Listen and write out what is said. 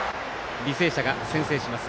履正社が先制します。